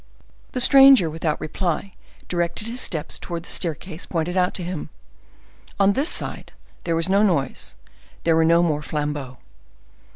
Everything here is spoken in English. The stranger, without reply, directed his steps towards the staircase pointed out to him. On this side there was no noise, there were no more flambeaux.